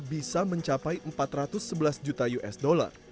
bisa mencapai empat ratus sebelas juta usd